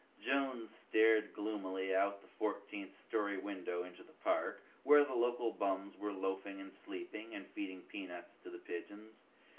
Jones stared gloomily out the fourteenth story window into the park, where the local bums were loafing and sleeping and feeding peanuts to the pigeons.